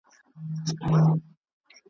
زه او ته به هم په لاره کي یاران سو .